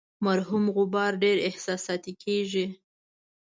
مرحوم غبار ډیر احساساتي کیږي.